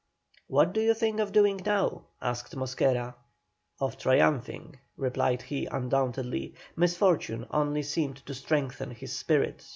"What do you think of doing now?" asked Mosquera. "Of triumphing," replied he, undauntedly. Misfortune only seemed to strengthen his spirit.